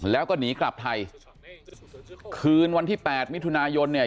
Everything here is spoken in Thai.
แล้วก็หนีกลับไทยคืนวันที่แปดมิถุนายนเนี่ย